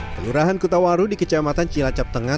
pelurahan kota warung di kecamatan cilacap tengah